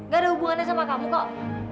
gak ada hubungannya sama kamu kok